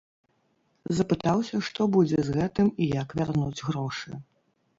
Запытаўся, што будзе з гэтым і як вярнуць грошы.